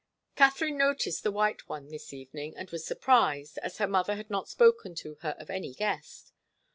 Katharine noticed the white one this evening, and was surprised, as her mother had not spoken to her of any guest.